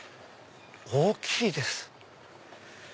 大きいです。